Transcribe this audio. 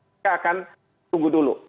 mereka akan tunggu dulu